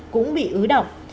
cũng bị ứ động